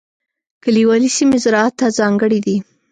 کلیوالي سیمې زراعت ته ځانګړې دي.